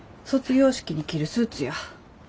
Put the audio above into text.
卒業式に着るスーツや。